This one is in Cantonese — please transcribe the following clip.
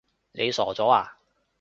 你傻咗呀？